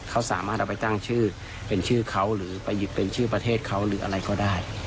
เขาสามารถเอาไปตั้งชื่อเป็นชื่อเขาหรือไปหยิบเป็นชื่อประเทศเขาหรืออะไรก็ได้